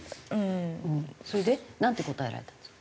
それでなんて答えられたんですか？